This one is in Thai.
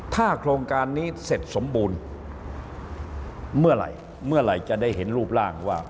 ถ้าโครงการนี้เสร็จสมบูรณ์เมื่อไหร่เมื่อไหร่จะได้เห็นรูปร่างว่า